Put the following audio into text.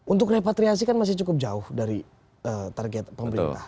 untuk repatriasi kan masih cukup jauh dari target pemerintah